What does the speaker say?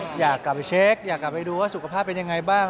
อยากกลับไปเช็คอยากกลับไปดูว่าสุขภาพเป็นยังไงบ้าง